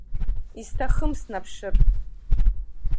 Исҭахым снаԥшыр.